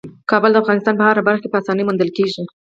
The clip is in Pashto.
کابل د افغانستان په هره برخه کې په اسانۍ موندل کېږي.